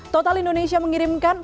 total indonesia mengintimidasi